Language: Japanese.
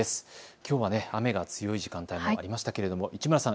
きょうは雨が強い時間帯もありましたけれども市村さん